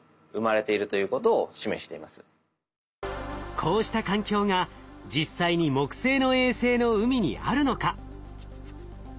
こうした環境が実際に木星の衛星の海にあるのか？